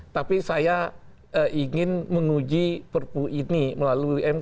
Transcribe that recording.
tapi saya ingin menguji perpu ini melalui umk